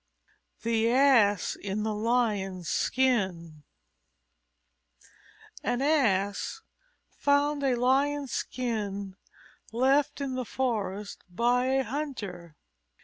_ THE ASS IN THE LION'S SKIN An Ass found a Lion's skin left in the forest by a hunter.